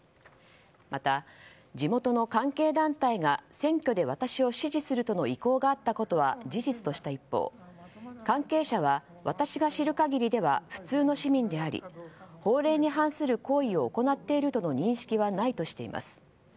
また地元の関係団体が選挙で私を支持するとの意向があったことは事実とした一方関係者は私が知る限りでは普通の市民であり法令に反する行為を行っているとの認識はないとしています。